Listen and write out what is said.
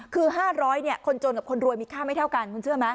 คือ๕๐๐เนี่ยคนจนกับคนรวยมีค่าไม่เท่ากันคุณเชื่อไหม